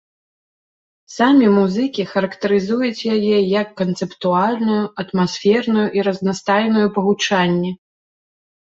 Самі музыкі характарызуюць яе як канцэптуальную, атмасферную і разнастайную па гучанні.